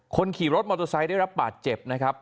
คนขี่รถมอเตอร์ไซค์ได้รับบาดเจ็บนะครับ